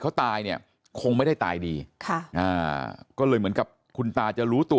เขาตายเนี่ยคงไม่ได้ตายดีค่ะอ่าก็เลยเหมือนกับคุณตาจะรู้ตัว